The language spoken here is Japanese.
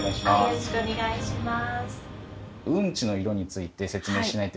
よろしくお願いします。